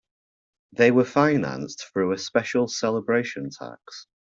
They were financed through a special celebration tax.